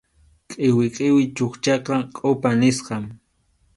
Qʼiwi qʼiwi chukchaqa kʼupa nisqam.